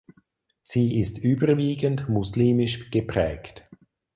Sie ist überwiegend muslimisch geprägt.